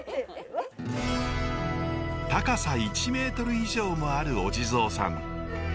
高さ１メートル以上もあるお地蔵さん。